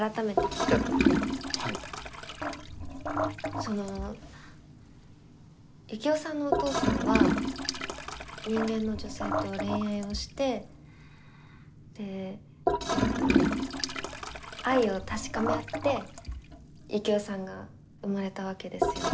そのユキオさんのお父さんは人間の女性と恋愛をしてでえっと愛を確かめ合ってユキオさんが生まれたわけですよね？